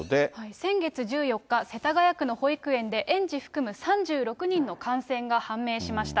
先月１４日、世田谷区の保育園で、園児含む３６人の感染が判明しました。